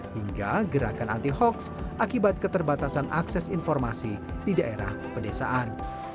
hingga gerakan anti hoax akibat keterbatasan akses informasi di daerah pedesaan